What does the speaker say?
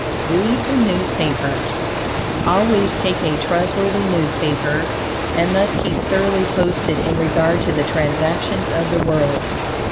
READ THE NEWSPAPERS Always take a trustworthy newspaper, and thus keep thoroughly posted in regard to the transactions of the world.